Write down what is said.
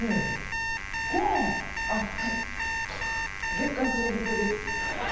月刊『つり人』です。